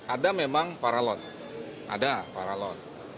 ada memang paralon ada paralon